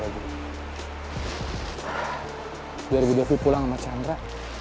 biar bu devi pulang sama sandra